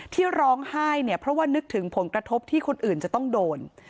ที่ร้องไห้เนี่ยเพราะว่านึกถึงผลกระทบที่คนอื่นจะต้องโดน